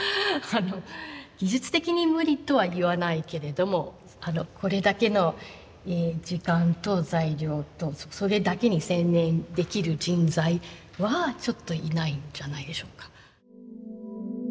あの技術的に無理とは言わないけれどもこれだけの時間と材料とそれだけに専念できる人材はちょっといないんじゃないでしょうか。